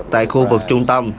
tại khu vực trung tâm